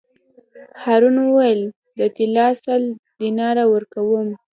هارون وویل: د طلا سل دیناره ورکووم.